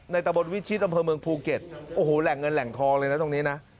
ตะบนวิชิตอำเภอเมืองภูเก็ตโอ้โหแหล่งเงินแหล่งทองเลยนะตรงนี้นะ